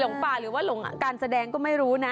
หลงป่ารึว่าหลงอ่ะการแสดงก็ไม่รู้นะ